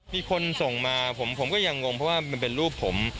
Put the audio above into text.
มีคนส่งมาผมก็ยังงงเพราะว่ามันเป็นรูปผม